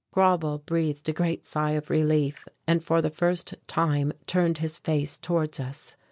Grauble breathed a great sigh of relief and for the first time turned his face towards us.